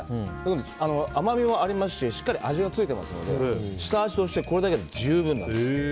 甘みもありますししっかり味もついていますので下味としてこれだけで十分です。